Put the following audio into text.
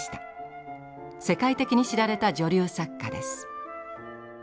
世界的に知られた女流作家です。